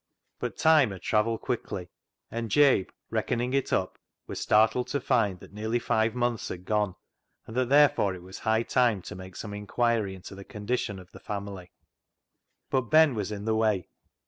But time had travelled quickly, and Jabe, reckoning it up, was startled to find that nearly five months had gone, and that therefore it was high time to make some inquiry into the condition of the family. But Ben was in the way.